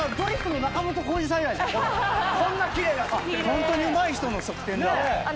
ホントにうまい人の側転だ。